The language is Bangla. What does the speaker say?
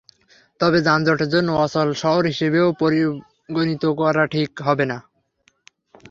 তবে যানজটের জন্য অচল শহর হিসেবেও পরিগণিত করা ঠিক হবে না।